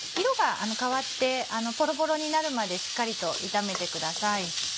色が変わってポロポロになるまでしっかりと炒めてください。